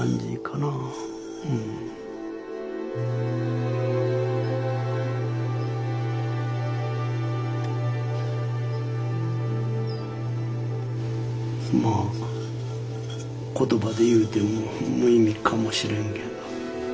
まあ言葉で言うても無意味かもしれんけど。